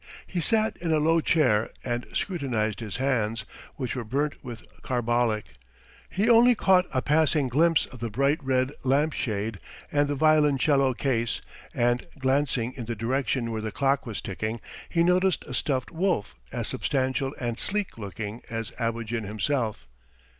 He sat in a low chair and scrutinized his hands, which were burnt with carbolic. He only caught a passing glimpse of the bright red lamp shade and the violoncello case, and glancing in the direction where the clock was ticking he noticed a stuffed wolf as substantial and sleek looking as Abogin himself.